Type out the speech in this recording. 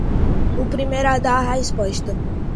O primeiro a dar a resposta